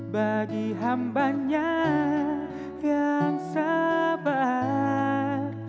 bagi hambanya yang sabar